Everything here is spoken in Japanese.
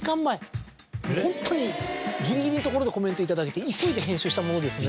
ホントにギリギリのところでコメントを頂いて急いで編集したものですので。